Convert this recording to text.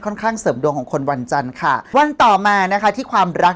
ข้างเสริมดวงของคนวันจันทร์ค่ะวันต่อมานะคะที่ความรัก